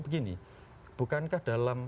begini bukankah dalam